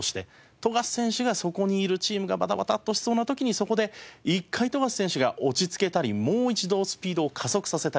富樫選手がそこにいるチームがバタバタッとしそうな時にそこで１回富樫選手が落ち着けたりもう一度スピードを加速させたり。